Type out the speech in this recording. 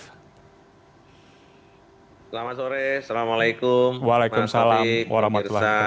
selamat sore assalamualaikum